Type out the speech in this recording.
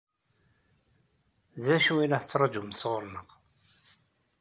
D acu i la tettṛaǧumt sɣur-neɣ?